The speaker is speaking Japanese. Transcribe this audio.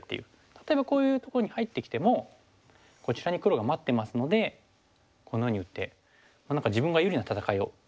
例えばこういうとこに入ってきてもこちらに黒が待ってますのでこのように打って何か自分が有利な戦いをできますよね。